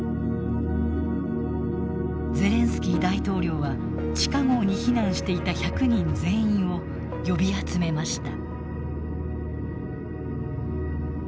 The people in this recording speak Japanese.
ゼレンスキー大統領は地下壕に避難していた１００人全員を呼び集めました。